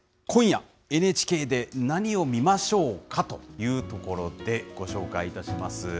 今夜、ＮＨＫで何を見ましょうかというところで、ご紹介いたします。